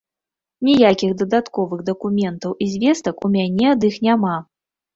Ніякіх дадатковых дакументаў і звестак у мяне ад іх няма.